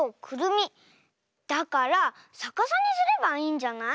だからさかさにすればいいんじゃない？